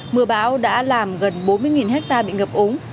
mưa bão đã làm gần bốn mươi ha bị ngập ống